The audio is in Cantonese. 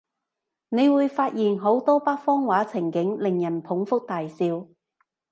你會發現好多北方話情景，令人捧腹大笑